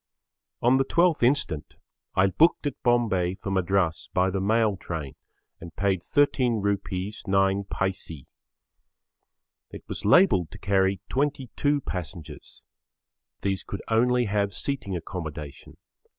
On the 12th instant I booked at Bombay for Madras by the mail train and paid Rs. 13 9. It was labelled to carry 22 passengers. These could only have seating accommodation.